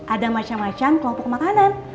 ada macam macam kelompok makanan